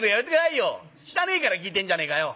「知らねえから聞いてんじゃねえかよ。